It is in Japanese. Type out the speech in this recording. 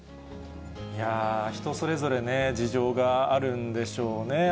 人それぞれね、事情があるんでしょうね。